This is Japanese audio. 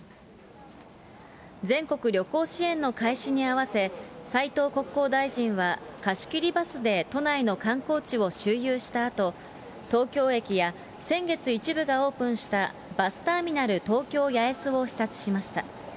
全国旅行支援の開始に合わせ、斉藤国交大臣は、貸し切りバスで都内の観光地を周遊したあと、東京駅や先月、一部がオープンしたバスターミナル東京八重洲を視察しました。